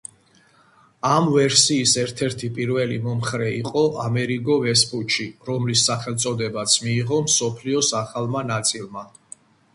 ამ ვერსიის ერთ-ერთი პირველი მომხრე იყო ამერიგო ვესპუჩი, რომლის სახელწოდებაც მიიღო მსოფლიოს ახალმა ნაწილმა.